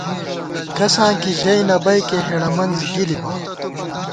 کساں کی ژَئی نہ بئیکے، ہېڑہ منزے گِلِبہ